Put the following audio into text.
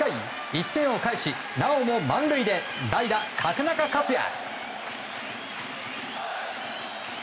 １点を返し、なおも満塁で代打・角中勝也。